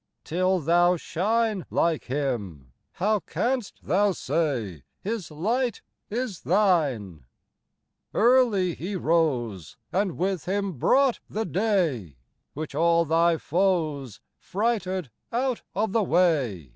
Till thou shine Like Him, how canst thou say His light is thine ? Early he rose, And with Him brought the day, Which all thy foes Frighted out of the way.